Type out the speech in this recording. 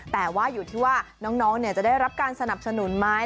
แต่ว่าอยู่ที่ว่าน้องจะได้รับการสนับสนุนไหม